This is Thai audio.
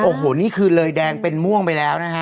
โอ้โหนี่คือเลยแดงเป็นม่วงไปแล้วนะฮะ